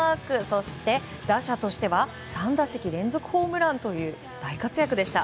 そして、打者としては３打席連続ホームランという大活躍でした。